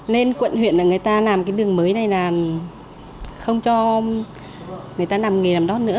nên quận huyện là người ta làm cái đường mới này là không cho người ta làm nghề làm đó nữa